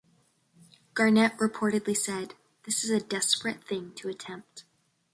Garnett reportedly said: This is a desperate thing to attempt.